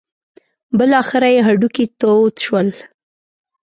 بالاخره یې هډوکي تود شول.